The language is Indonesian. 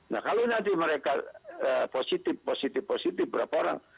nah kalau nanti mereka positif positif positif berapa orang